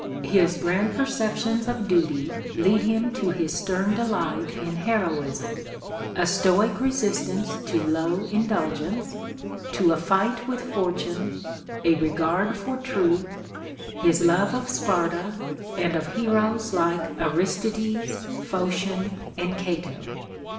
His grand perceptions of duty lead him to his stern delight in heroism ; a stoic resistance to low indulg ence ; to a fight with fortune ; a regard for truth ; his love of Sparta, and of heroes like Aristides, Phocion, and Cato.